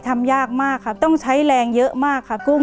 เปลี่ยนเพลงเพลงเก่งของคุณและข้ามผิดได้๑คำ